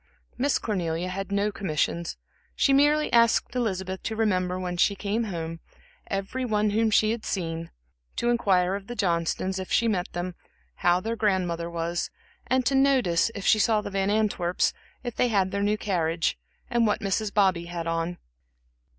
Miss Cornelia had no commissions, and merely asked Elizabeth to remember, when she came home, every one whom she had seen, to inquire of the Johnstons, if she met them, how their grandmother was, and to notice, if she saw the Van Antwerps, if they had their new carriage, and what Mrs. Bobby had on.